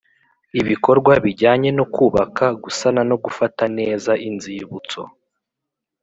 Ibikorwa bijyanye no kubaka gusana no gufata neza inzibutso